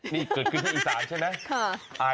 นี่เกิดขึ้นที่อีสานใช่ไหม